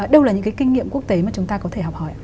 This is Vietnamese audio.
đâu là những cái kinh nghiệm quốc tế mà chúng ta có thể học hỏi ạ